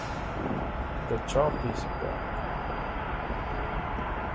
The Champ is back.